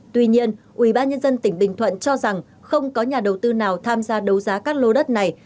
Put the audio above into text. tuy nhiên ubnd tỉnh bình thuận cho rằng không có nhà đầu tư nào tham gia đấu giá các lô đất này